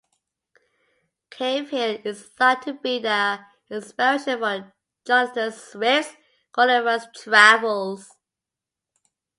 Cave Hill is thought to be the inspiration for Jonathan Swift's "Gulliver's Travels".